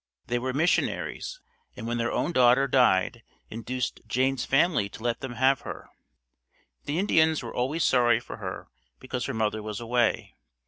They were missionaries and when their own daughter died induced Jane's family to let them have her. The Indians were always sorry for her because her mother was away.